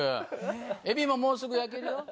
エビももうすぐ焼けるよ。